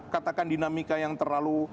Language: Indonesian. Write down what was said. katakan dinamika yang terlalu